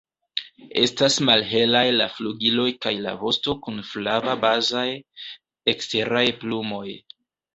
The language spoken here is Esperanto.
Estas malhelaj la flugiloj kaj la vosto kun flava bazaj eksteraj plumoj.